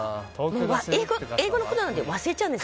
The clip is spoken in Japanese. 英語のことなんて忘れちゃうんです。